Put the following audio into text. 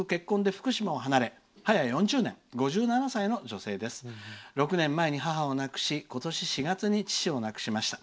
６年前に母を亡くし今年４月に父を亡くしました。